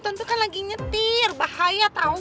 tante kan lagi nyetir bahaya tau